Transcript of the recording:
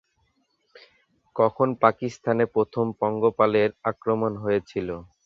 কখন পাকিস্তানে প্রথম পঙ্গপালের আক্রমণ হয়েছিল?